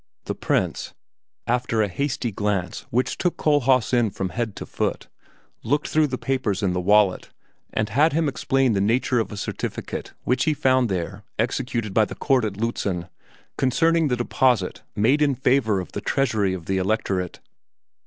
The Prince, after a hasty glance which took Kohlhaas in from head to foot, looked through the papers in the wallet and had him explain the nature of a certificate which he found there executed by the court at Lützen, concerning the deposit made in favor of the treasury of the Electorate.